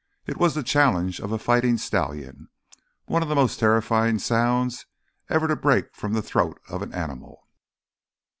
It was the challenge of a fighting stallion, one of the most terrifying sounds ever to break from the throat of an animal.